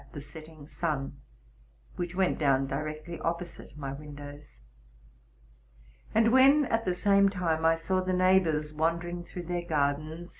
the setting sun, which went down directly opposite my windows. And when, at the same time, I saw the neighbors wandering through their gardens.